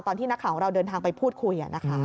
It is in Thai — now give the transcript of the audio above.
ตอนที่นักข่าวของเราเดินทางไปพูดคุย